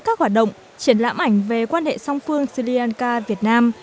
các hoạt động triển lãm ảnh về quan hệ song phương sri lanka việt nam